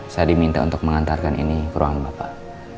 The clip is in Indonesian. saya diminta untuk mengantarkan ini ke ruang bapak